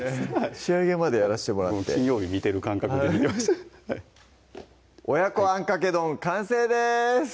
仕上げまでやらしてもらって金曜日見てる感覚で見てました「親子あんかけ丼」完成です